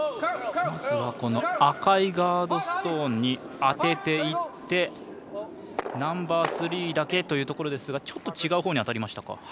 赤いガードストーンに当てていってナンバースリーだけというところですがちょっと違うところに当たりましたか。